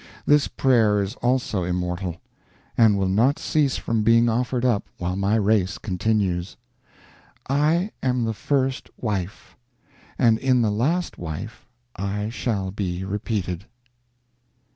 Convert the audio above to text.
This prayer is also immortal, and will not cease from being offered up while my race continues. I am the first wife; and in the last wife I shall be repeated.